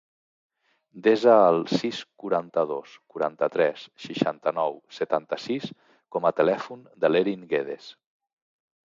Desa el sis, quaranta-dos, quaranta-tres, seixanta-nou, setanta-sis com a telèfon de l'Erin Guedes.